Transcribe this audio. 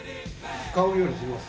買うようにします。